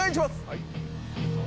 はい。